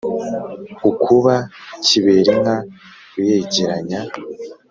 ukuba kiberinka uyegeranya;